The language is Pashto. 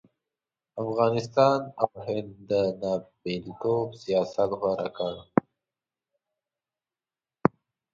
افغانستان او هند د ناپېلتوب سیاست غوره کړ.